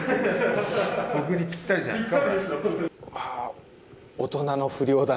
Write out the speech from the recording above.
僕にぴったりじゃないですか？